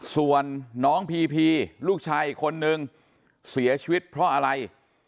ส่วนน้องพีพีลูกชายอีกคนนึงเสียชีวิตเพราะอะไร